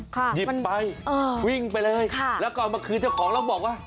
หยิบไปเออวิ่งไปเลยค่ะแล้วก็เอามาคืนเจ้าของแล้วบอกว่า